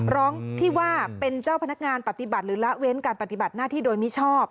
ร้องที่ว่าเป็นเจ้าพนักงานปฏิบัติหรือละเว้นการปฏิบัติหน้าที่โดยมิชอบ